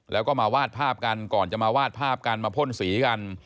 แล้วก็มาวาดภาพกันก่อนจะมาวาดภาพกันมาพ่นสีกัน